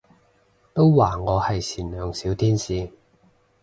都話我係善良小天使